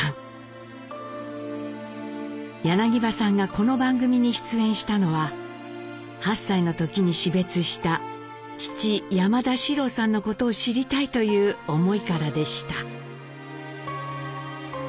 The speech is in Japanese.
柳葉さんがこの番組に出演したのは８歳の時に死別した父山田四郎さんのことを知りたいという思いからでした。